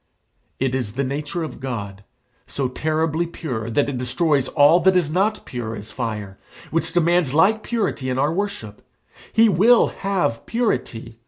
It is the nature of God, so terribly pure that it destroys all that is not pure as fire, which demands like purity in our worship. He will have purity.